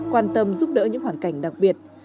quan tâm giúp đỡ những hoàn cảnh đặc biệt